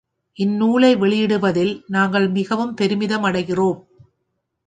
இந்நூலை வெளியிடுவதில் நாங்கள் மிகவும் பெருமிதம் அடைகிறோம்.